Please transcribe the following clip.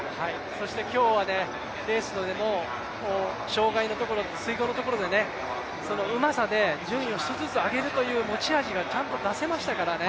そして今日はね、レースでも障害のところ、水濠のところでそのうまさで順位を１つずつ上げるっていう持ち味をちゃんと出せましたからね。